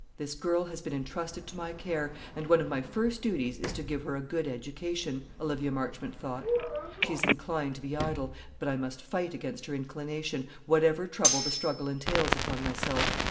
"This girl has been intrusted to my care, and one of my first duties is to give her a good education," Olivia Marchmont thought. "She is inclined to be idle; but I must fight against her inclination, whatever trouble the struggle entails upon myself.